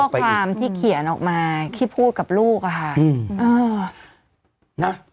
พ่อความที่เขียนออกมาที่พูดกับลูกค่ะอืมเออ